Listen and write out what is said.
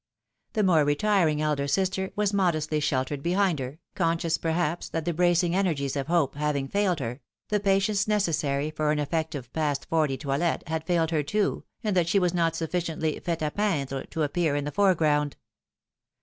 The more retiring elder sister was modestly sheltered behind her, conscious, perhaps, that the bracing energies of hope having failed her, the patience necessary for an effective past forty toilet, had failed her too, and that she was not sufficiently fait a peindre to appear in the foreground.